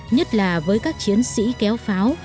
nhất là với các chiến sĩ kéo pháo